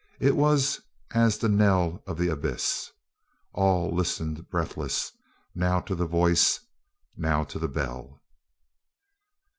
It was as the knell of the abyss. All listened breathless, now to the voice, now to the bell.